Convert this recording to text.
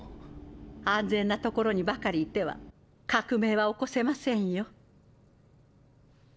安全な所にばかりいては革命は起こせませんよ。